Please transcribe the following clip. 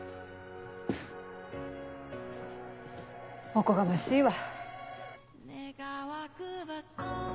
おこがましいわ。